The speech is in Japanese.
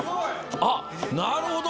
あっなるほど。